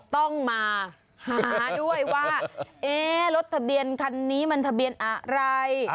ต้องมาหาด้วยว่ารถทะเบียนคันนี้มันทะเบียนอะไร